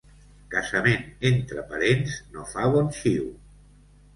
Casament entre parents no fa bon xiu.